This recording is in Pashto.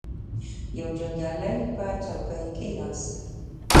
یو جنګیالی په چوکۍ کښیناست.